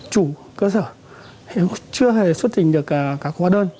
chủ cơ sở chưa hề xuất trình được các hóa đơn